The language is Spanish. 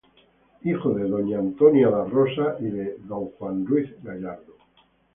Hijo de Don Juan Ruiz Gallardo y de Doña Antonia La Rosa.